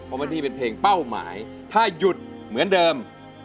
เพราะว่านี่เป็นเพลงเป้าหมายถ้าหยุดเหมือนเดิม